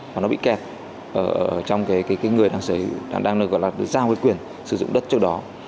rất là đẹp trong người đang gọi là giao quyền sử dụng đất trước đó